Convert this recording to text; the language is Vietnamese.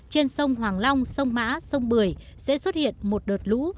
trên sông hoàng long sông mã sông bưởi sẽ xuất hiện một đợt lũ